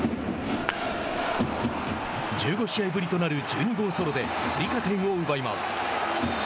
１５試合ぶりとなる１２号ソロで追加点を奪います。